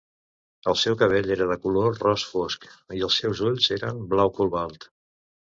El seu cabell era de color ros fosc i els seus ulls eren blau cobalt.